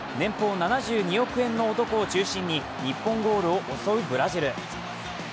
年俸７２億円の男を中心に日本ゴールを襲うブラジル。